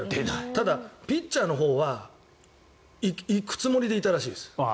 ただ、ピッチャーのほうは行くつもりでいたらしいです。